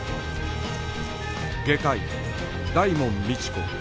外科医大門未知子